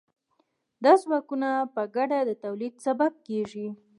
دا ځواکونه په ګډه د تولید سبب کیږي.